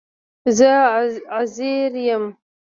زه عزير يم